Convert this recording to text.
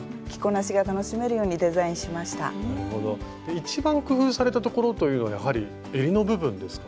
一番工夫されたところというのはやはりえりの部分ですか？